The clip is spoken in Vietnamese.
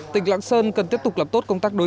tỉnh lạng sơn cần tiếp tục làm tốt công tác đối ngoại